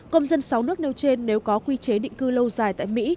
công dân sáu nước nêu trên nếu có quy chế định cư lâu dài tại mỹ